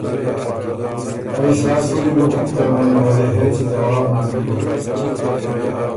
ائ سا سولّي بُکِن که مېنه وه دې هېڅ ځواب نک بیوک۔